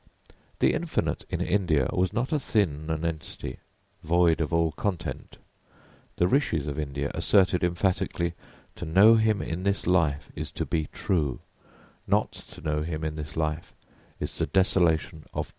The Infinite in India was not a thin nonentity, void of all content. The Rishis of India asserted emphatically, "To know him in this life is to be true; not to know him in this life is the desolation of death."